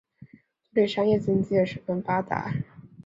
这里商业经济也十分发达。